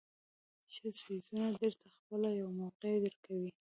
ښه څیزونه درته خپله یوه موقع درکوي.